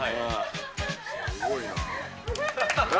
すごいな。